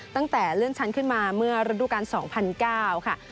ตั้งแต่เลื่อนชั้นขึ้นมาเมื่อฤดูการ๒๐๐๙ค่ะ